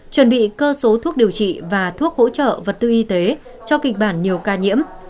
chuẩn bị cơ số thuốc điều trị và thuốc hỗ trợ vật tư y tế cho kịch bản nhiều ca nhiễm